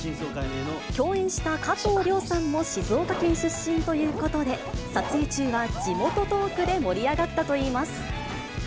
共演した加藤諒さんも静岡県出身ということで、撮影中は地元トークで盛り上がったといいます。